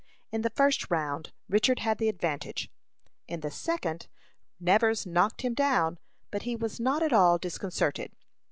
In the first round Richard had the advantage. In the second, Nevers knocked him down; but he was not at all disconcerted.